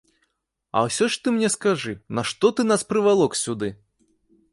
А ўсё ж ты мне скажы, нашто ты нас прывалок сюды?